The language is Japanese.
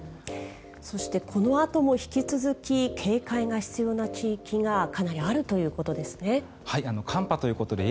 そしてこのあとも引き続き警戒が必要な地域がかなりあるということですね。